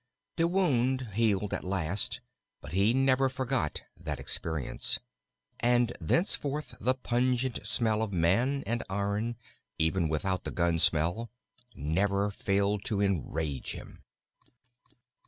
The wound healed at last, but he never forgot that experience, and thenceforth the pungent smell of man and iron, even without the gun smell, never failed to enrage him.